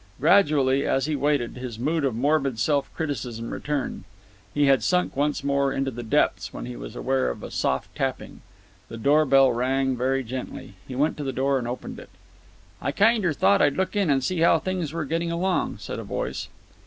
Gradually, as he waited, his mood of morbid self criticism returned. He had sunk once more into the depths when he was aware of a soft tapping. The door bell rang very gently. He went to the door and opened it. "I kinder thought I'd look in and see how things were getting along," said a voice.